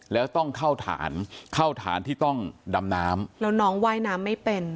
แล้วต้องเข้าฐานเข้าฐานที่ต้องดำน้ำแล้วน้องว่ายน้ำไม่เป็น